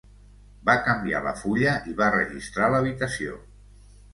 Va canviar la fulla i va registrar l'habitació.